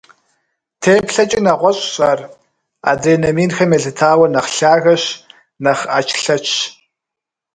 ТеплъэкӀи нэгъуэщӀщ ар, адрей номинхэм елъытауэ, нэхъ лъагэщ, нэхъ Ӏэчлъэчщ.